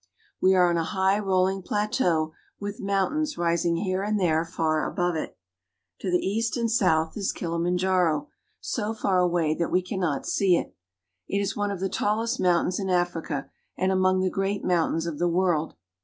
We are on a high rolling plateau with mountains rising here and there far above it. To the east and south is Kilimanjaro, so far away that we can not see it. It is one of the tallest mountains in Africa and among the great mountains of the world.